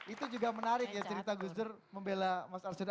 itu juga menarik ya cerita gus dur membela mas arsyadra